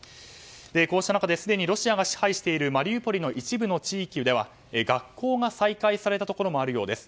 こうした中ですでにロシアが支配しているマリウポリの一部の地域では学校が再開されたところもあるようです。